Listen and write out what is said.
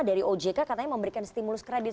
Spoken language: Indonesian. dari ojk katanya memberikan stimulus kredit